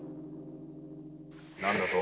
何だと？